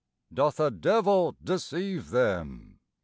Doth a devil deceive them?